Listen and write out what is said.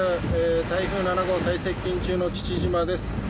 台風７号最接近中の父島です。